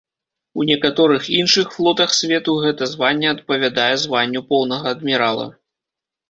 У некаторых іншых флотах свету гэта званне адпавядае званню поўнага адмірала.